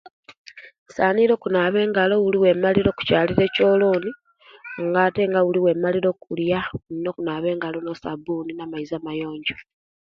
Nsaanile okunaba engalo buli owemalile okukyalira echoloni nga ate nga owemalire okulya indino okunaba ne'sabuni namaizi amayonjo